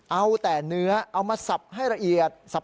เอาแต่เนื้อเอามาสับให้ละเอียด